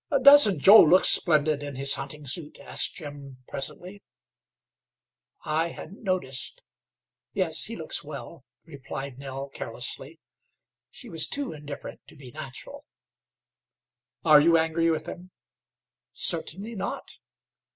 "Doesn't Joe look splendid in his hunting suit?" asked Jim, presently. "I hadn't noticed. Yes; he looks well," replied Nell, carelessly. She was too indifferent to be natural. "Are you angry with him?" "Certainly not."